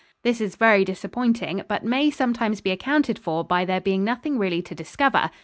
This is very disappointing, but may sometimes be accounted for by there being nothing really to discover.